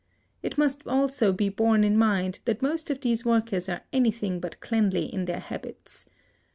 It must also be borne in mind that most of these workers are anything but cleanly in their habits.